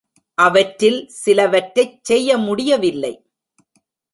அவற்றில் சிலவற்றைச் செய்ய முடியவில்லை.